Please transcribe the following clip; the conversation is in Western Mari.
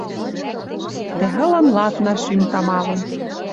Дӓ ылын ладна шӱм тамалын